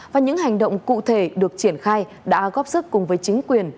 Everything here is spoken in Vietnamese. và những hành động cụ thể được triển khai đã góp sức cùng với chính quyền